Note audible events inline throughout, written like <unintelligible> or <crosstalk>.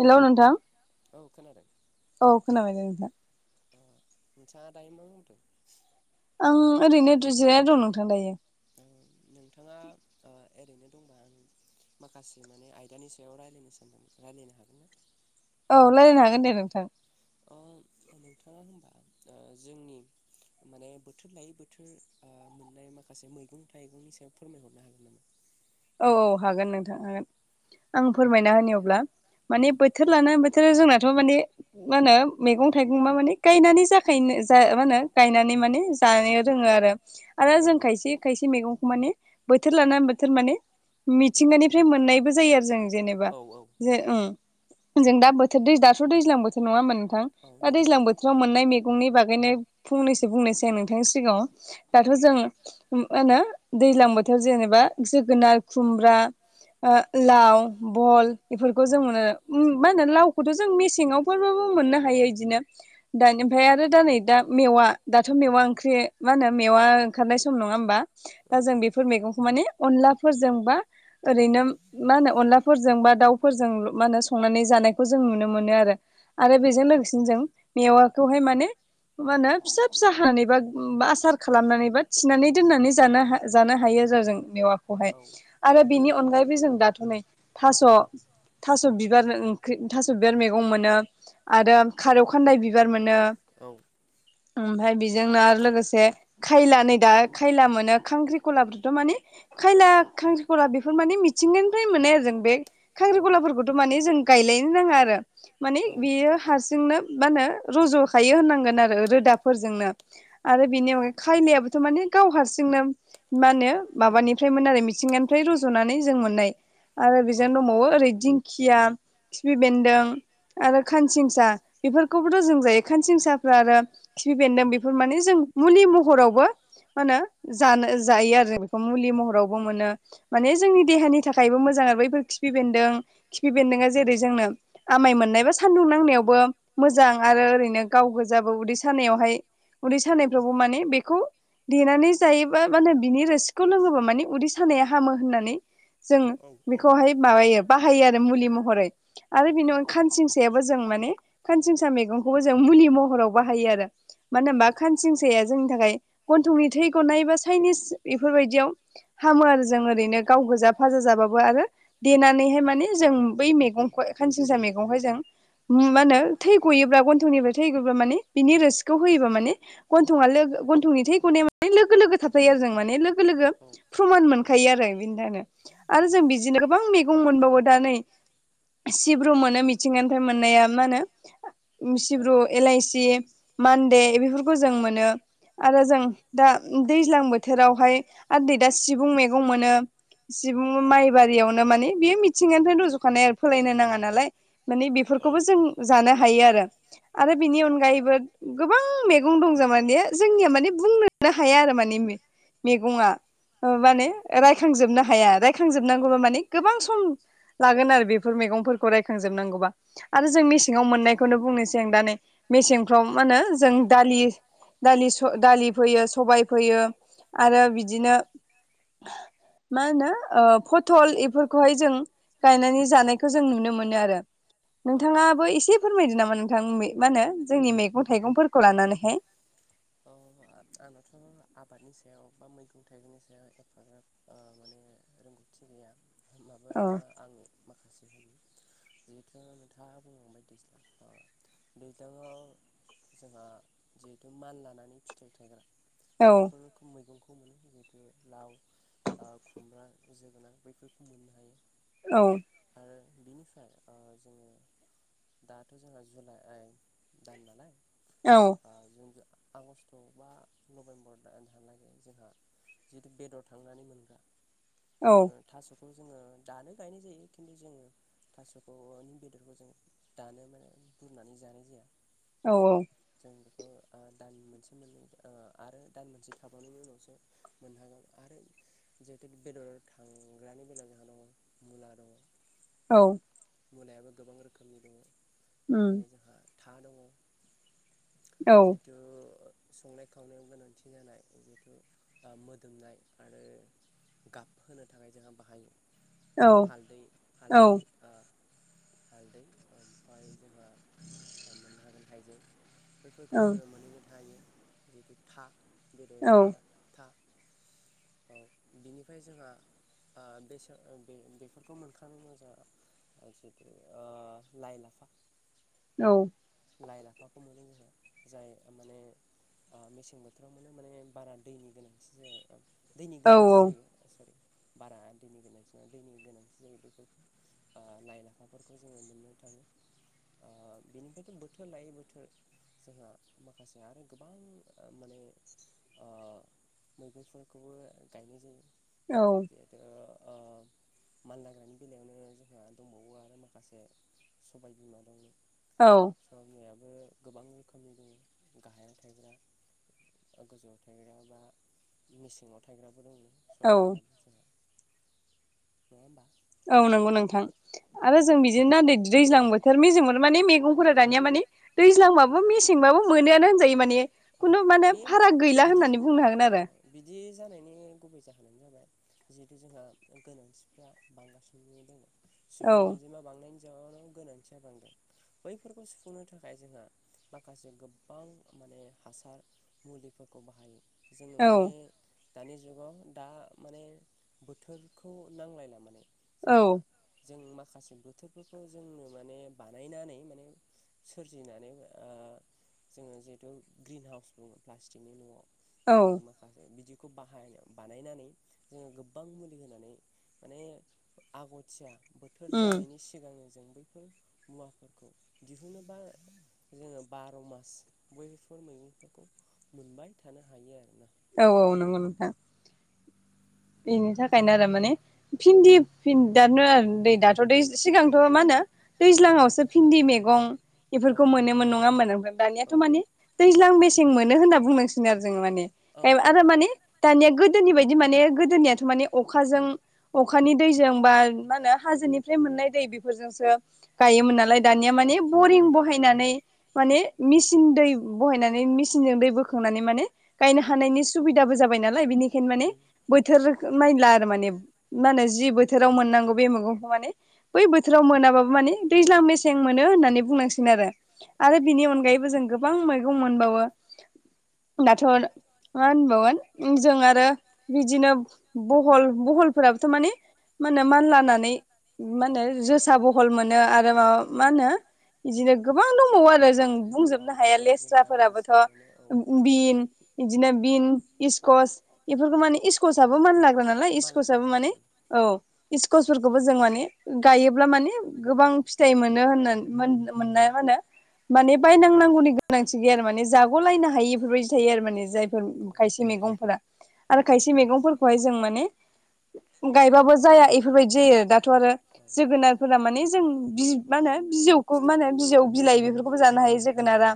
Hello नोंथां, औ खोनाबाय दे नोंथां। नोंथाङा दायो मा मावदो? आं ओरैनो द्रि जिराया दं नोंथां दायो। नोंथाङा ओ ओरैनो दंबा आं माखासे माने आयदानि सायाव रायलायनो सानदोंमोन, रायलायनो हागोन ना? औ रायलायनो हागोन दे नोंथां। अ नोंथाङा होनबा ओ जोंनि माने बोथोर लायै बोथोर ओ मोननाय माखासे मैगं थाइगंनि सायाव फोरमायहरनो हागोन नामा? औ औ हागोन नोंथां हागोन आं फोरमायना होनि अब्ला। माने बोथोर लाना बोथोर जोंना थ' माने मा होनो मैगं थाइगं मा माने गायनानै जाखायोनो जा मा होनो गायनानै माने जानो रोङो आरो आरो जों खायसे खायसे मैगंखौ माने बोथोर लानानै बोथोर माने मिथिंगानिफ्राय मोननायबो जायो आरो जों जेनोबा। जे ओं जों दा बोथोर दै दाथ' दैज्लां बोथोर नङा होमबा नोंथां? दा दैज्लां बोथोराव मोननाय मै गंनि बागैनो फंनैसो बुंनोसै आं नोंथांनि सिगाङाव। दाथ जों मा होनो दैज्लां बोथोर जेनोबा जोगोनार खुमब्रा ओ लाव बहल बेफोरखौ जों मोनो ओम मा होनो लावखौथ' जों मेसेङावफोरबाबो मोननो हायो इदिनो। दानि ओमफ्राय आरो दा नै दा मेवा दाथ' मेवा ओंख्रि मा होनो मेवा ओंखारनाय सम न नङा होमबा? दा जों बेफोर मैगंखौ माने फोरजों बा ओरैनो मा होनो अनलाफोरजों बा दाउफोरजों मा होनो संनानै जानायखौ जों नुनो मोनो आरो आरो बेजों लोगोसेनो जों मेवाखौहाय माने मा होनो फिसा फिसा हानानै बा आसार खालामनानै बा थिनानै दोननानै जानो हा जानो हायो जा जों मेवाखौहाय आरो बिनि अनगायैबो जों दाथ' नै थास थास बिबार ओंख्रि थास बिबार मैगं मोनो आरो खारौ खान्दाय बिबार मोनो। ओमफ्राय बेजोंनो आरो लोगोसे खायला नै दा खायला मोनो खांख्रिखलाबोथ' मानि खायला खांख्रिखला बेफोर माने मिथिंगानिफ्राय मोननाय आरो जों बे खांख्रिखलाफोरखौथ' माने जों गायलायनो नाङा आरो माने बेयो हारसिंनो मा होनो रजखायो होननांगोन आरो रोदाफोरजोंनो आरो बिनि अनगायै खायलायाबोथ' माने गाव हारसिंनो मा होनो माबानि फ्राय आरो मिथिंगानिफ्राय रुज'नानै जों मोननाय आरो बेजों दबावो ओरै दिं खिया, खिफि बेन्दों आरो खानसिंसा बेफोरखौबोथ' जों जायो। खानसिंसाफ्रा आरो खिफि बेन्दों बेफोर माने जों मुलि महरावबो मा होनो जानो जायो आरो बेखौ मुलि महर रावबो मोनो। माने जोंनि देहानि थाखायबो मोजां बैफोर खिफि बेदों खिफि बेन्दों जेरै जों <unintelligible> आमाय मोननाय बा सान्दुं नांनायावबो मोजां आरो ओरैनो गाव गोजाबो उदै सानायावहाय उदै सानायफ्रावबो माने बेखौ देनानै जायोबा मा होनो बिनि रोसिखौ लोङोबा माने उदै सानाया हामो होननानै जों बेखौहाय माबायो बाहायो आरो मुलि महरै आरो बेनि अनगायै खानसिंसाया बो जों माने खानसिंसा मैगंखौबो जों मुलि महराव बाहायो आरो। मानो होनोमबा खानसिंसाया जोंनि थाखाय गन्थंनि थै गनाय बा चाइनिस बेफोरबायदियाव हामो आरो जों ओरैनो गाव गोजा फाजा जाबाबो आरो देनानैहाय माने जों बै मैगंखौ खानसिंनसा मैगंहाय जों मा होनो थै गयोब्ला गन्थंनिफ्राय थै गयोब्ला माने बिनि रोसिखौ होयोबा माने गन्थंआ लोगो गन्थंनि थै गनाया माने लोगो लोगो थाफायो आरो जों माने लोगो लोगो मोनखायो आरो बेनि थाखायनो आरो जों बिदिनो गोबां मैगं मोनबावो दा नै सिब्रु मोनो मिथिंगानिफ्राय मोननाया मा होनो सिब्रु एलायसि मान्दे बेफोरखौ जों मोनो आरो जों दा दैज्लां बोथोरावहाय आदै दा सिबुं मैगं मोनो सिबुं माइबारियावनो माने बे मिथिंगानिफ्राय रज'खानाय आरो फोलायनो नाङा नालाय माने बेफोर फोरखौबो जों जानो हायो आरो आरो बिनि अनगायैबो गोबां मैगं दं ज माने जोंनिया माने बुंनोनो हाया आरो माने मैगङा माने रायखांजोबनो हाया रायखांजोबनांगौबा माने गोबां सम लागोन आरो बेफोर मैगंफोरखौ रायखांजोबनांगौबा आरो जों मेसेङाव मोननायखौनो बुंनोसै आं दा नै मेसेंफ्राव मा होनो जों दालि दालि स' दालि फोयो सबाय फोयो आरो बिदिनो मा होनो फथल एफोरखौहाय जों गायनानै जानायखौ जों नुनो मोनो आरो नोंथाङाबो एसे फोरमायदो नामा नोंथां मा होनो जोंनि मैगं थाइगंफोरखौ लानानैहाय आंनाथ' आबादनि सायाव बा मैगं थाइगंनि सायाव एफाग्राब माने रोंगौथि थि गैया माबा आङो माखासे होनो जिथु नोंथाङा बुंलांबाय दैज्लां दैज्लांआव जोंहा जिहेथु मानलानानै फिथाइ थायग्रा बेैफोर रोखोम मैगंखौ खौ मोनो जिहेतु लाव खुमब्रा जोगोनार बैफोरखौ मोननो हायो औ आरो बिनिफ्राय जोङो दाथ' जोंहा जुलाइ दान नालाय <unintelligible> अक्ट' बा नभेम्बर दहालागै जोंहा जिहेथु बेदर थांनानै मोनग्रा जोङो थास' खौ जोङो दानो गायनाय जायो खिन्थु जोङो थास'खौनि बेदरखौ जों दानो माने बुरनानै जानाय जाया औ औ जों बेखौ दान मोनसे मोननै आरो दान मोनसे खाबावनायनि उनावसो मोनहागोन आरो जिहेतु बेदर थाङो ग्रानि बेला जोंहा दङ मुला दङ औ मुलायाबो गोबां रोखोमनि दङ आरो जोंहा था दङ जिथु संनाय खावनायाव गोनांथि जानाय जिथु मोदोमनाय आरो गाबहोनो थाखाय जोंहा बाहायो हालदै हालदै ओ हालदै ओमफाय जोंहा मोननो हागोन हाइजें बेफोरखौ जोङो मोनहैनो हायो जिहेतु था बेदराव थांग्रा था औ बिनिफाय जोंहा बेस बेफोरखौ मोनखानायनि उनाव जोंहा जिथु ओ लाइ लाफा औ लाइ लाफाखौ मोनो जोंहा जाय माने ओ मेसें बोथोराव मोनो माने बारा दैनि गोनांथि जाया दैनि गोनांथि जायो सरि बारा दैनि गोनांथि नङा दैनि गोनांथि जायो बेफोर ओ लाइ लाफा फोरखौ जोङो मोननो थाङो ओ बेनिफाय बोथोर लायै बोथोर जोंहा माखासे आरो गोबां माने ओ मैगंफोरखौबो गायनाय जायो जिहेथु ओ मानलाग्रानि बेलायावनो जोंहा दंबावो आरो माखासे सबाय बिमा दं साबाय बिमायाबो गोबां रोखोमनि दङ गाहायाव थाइब्रा गोजौआव थायग्रा बा मेसेंआव थायग्राबो दंङ सबाय बिमायाबो जोंहा नङा होम्बा औ नंगौ नोंथां आरो जों बिदिनोदै दैज्लां बोथोर मेजं माने मैगंफोरा दानिया माने ने दैज्लां बाबो मसे ब्लाबो मोनोनो होनजायो माने खुनु माने फाराग गैला होननानै बुंनो हागोन आरो गुबै जाहोनानो जाबाय जिहेथु जोंहा गोनांथिफ्रा बांगासिनो दङ सुबुं अनजिमा बांनायनि जनाव गोनांथिया बांदों बैफोरखौ सुफुंनो थाखाय जोंहा माखासे गोबां माने हासार मुलिफोरखौ बाहायो जोङो माने दानि जुगाव दा माने बोथोरखौ नांलायला माने जोंहा जों मा माखासे बोथोरफोरखौ जोंनो माने बानायनानै माने सोरजिनानै ओ जोङो जिहेथु ग्रिन हाउस बुङो प्लास्टिकनि न'आव जोङो माखासे बिदि खौ बाहाय बानायनानै जोङो गोबां मुलि होनानै माने आगथिया बोथोर जानायनि सिगां जों बैफोर मुवाफोरखौ दिहुनोबा जोङो बार' मास बैफोर मैगंफोरखौ मोनबाय थानो हायो आरो ना औ औ नंगौ नोंथां बेनि थाखायनो आरो माने भिन्दिरनो आरो दै दाथ' दै सिगांथ' मा होनो दैज्लांवसो भिन्दि मैगं बेफोरखौ मोनोमोन नङा दानियाथ' माने दैज्लां बेसें मोनो होनना बुंनांसिगोन आरो जों माने आरो माने दानिया गोदोनि बायदि माने गोदोनियाथ' माने अखा जों अखानि दैजों बा मा होनो हाजोनिफ्राय मोननाय दै बेफोरजोंसो गायोमोन नालाय दानिया माने बरिं बहायनानै माने मेसिन दै बहायनानै मेसिनजों दै बोखांनानै माने गायनो हानायनि सुबिदा जाय नालय बिनिायनो माने रैखो नायला आरो माने जि बोथोराव मोनांगै मा होनो बै बोथाराव मोना बाबो माने दैज्लां मेसें मोनो होन्नानै बुंनांसिगोन आरो आरो बिनि अनगायैबो जों गोबां मै मोनबावो दाथ' मा होनबागोन जों आरो बिदिनो बहल बहलफोराबोथ' मान मा होनो मानला होननानै मा होनो जोसा बहल मोनो आरो मा मा होनो बिदिनो गोबां दंबावो आरो जों बुंजोबनो हाया लेस्राफोराबोथ' बिन इदिनोबिन इस्कस इफोरखौ माने इस्कसाबबो मान लाग्रा नालाय इस्कसाबबो माने औ इस्कुसफोरखौबो जों माने गायोब्ला माने गोबां फिथाइ मोनो होननानै मोननाय मो माने बायनांनांगौनि गोनांथि गैया आरो माने जाग'लायनो हायि बेफोरबायदि थायो आरो माने जाय खायसे मैगं फोर आरो खायसे मैगंफोरखौहाय जों माने गायबाबो जाया इफोरबायदि जायो आरो दाथ' आरो जोगोनारफोरा माने जों मा होनो बिजौ थौखौ माने बिजौ बिलाइ बेफोरखौबो जानो हायो जोगोनारा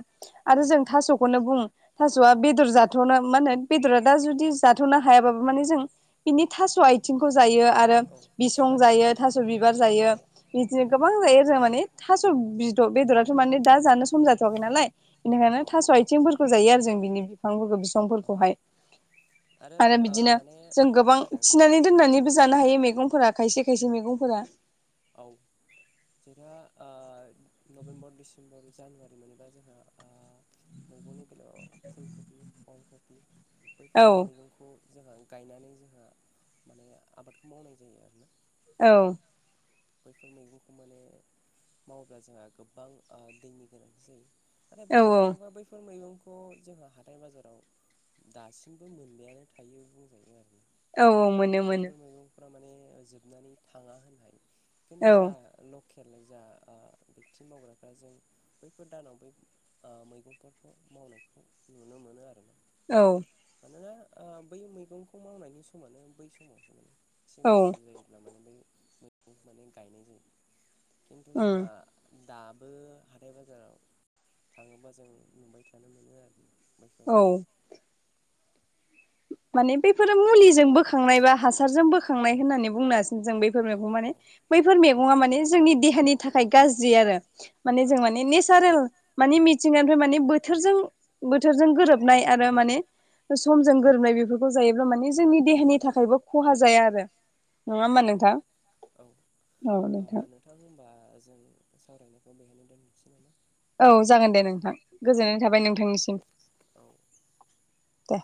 आरो जों थास'खौनो बुं थास'आ बेदर जाथ'नो म होने बेदरा दा जुदि नों हायाबबो मने जों बिनि थाह आयथिंखोव जायो आरो बिसं जायो थास बिबार जायो बिदिनो गोबां जायो जों माने थास'द बेदराथ' माने दा जानो सम जाथ'वाखै नालाय बेनिखायनो थास' आइथिंफोरखौ जायो आरो जों बिनि बिफांफोरखौ बिफांफोरखौहाय आरो बिदिनो जों गोबां थिनानै दोननानैबो जानो हायो मैगंफोरा खायसेाय खायसे मैगंफोरा औ जेरा ओ नभेम्बर डिसेम्बर जानुवारि मोनबा जोंहा ओ मैगंनि बेलायाव फुलकबि अलकबि बैफोर मैगंखौ जोंहा गायनानै जोंहा माने आबादखौ मावनाय जायो आरोना औ बैफोर मैगंखौ माने मावोब्ला जोंहा गोबां दैनि गोनांथि जायो नाथाय बुंनो थाङोबा बैफोर मैगं खौ जोंहा हाथाय बाजाराव दासिमबो मोनबायानो थायो बुंजायो आरो औ औ मोनो मोनो माने जोबनानै थाङा होनोहायो खिन्थु जा लकेल जा बेक्थिं मावग्राफ्रा जों बैफोर दानाव बै मैगंफोरखौ मावनायखौ नुनो मोनो आरो ना औ मानोना ओ बै मैगंखौ मावनायनि समानो बै समावसो मोन एसे गुसु जायोब्ला माने बै माने गायनाय जायो खिन्थु जोंहा दाबो हाथाय बाजाराव थाङोबा जों नुबाय थानो मोनो आरोखि मसां माने बेफोरो मुलिजों बोखांनाय बा हासारजों बोखांनाय होननानै बुंनो हास जों बैफोर मैगं माने बैफोर मैगङा माने जोंनि देहानि थाखाय गाज्रि आरो माने जों माने नेचारेल मानि मिथिंगानिफ्राय माने बोथोरजों बोथोरजों गोरोबनाय आरो माने समजों गोरोबनाय बेफोरखौ जायोब्ला माने जोंनि देहानि थाखायबो खहा जाया आरो नङा होमबा नोंथां औ नोंथां बा जों सावरायनायखौ बेहायनो दोनथनोसै नामा औ जागोन दे नोंथां गोजोननाय थाबाय नोंथांनिसिम औ दे